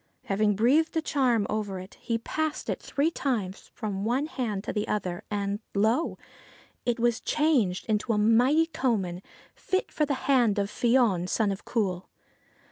Having breathed a charm over it, he passed it three times from one hand to the other, and lo, it was changed into a mighty coman, fit for the hand of Fion, son of Cumhail.